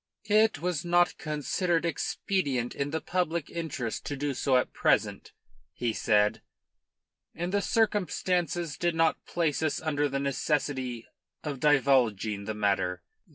"It was not considered expedient in the public interest to do so at present," he said. "And the circumstances did not place us under the necessity of divulging the matter."